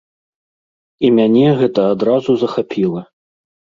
І мяне гэта адразу захапіла.